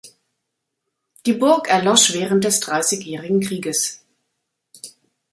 Die Burg erlosch während des Dreißigjährigen Krieges.